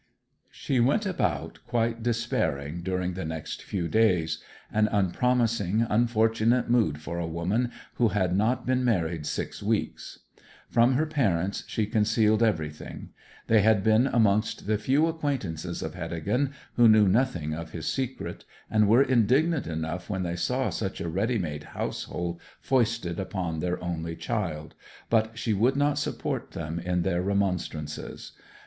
She went about quite despairing during the next few days an unpromising, unfortunate mood for a woman who had not been married six weeks. From her parents she concealed everything. They had been amongst the few acquaintances of Heddegan who knew nothing of his secret, and were indignant enough when they saw such a ready made household foisted upon their only child. But she would not support them in their remonstrances.